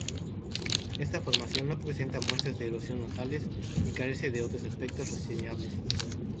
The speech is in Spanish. Esta formación no presenta muestras de erosión notables, y carece de otros aspectos reseñables.